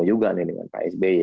ini juga dengan pak sbi